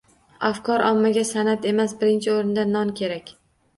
Afkor ommaga san’at emas, birinchi o‘rinda non kerak.